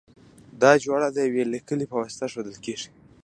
دا جوړه د یوه لیکي په واسطه ښودل کیږی.